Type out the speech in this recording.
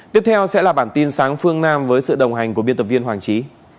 tiếp theo sẽ là bản tin sáng phương nam với sự đồng hành của biên tập viên hoàng trí